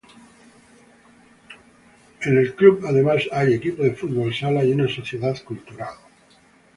En la parroquia además hay equipo de fútbol sala y una sociedad cultural.